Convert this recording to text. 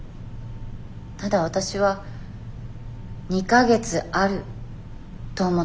ただわたしは２か月あると思っています。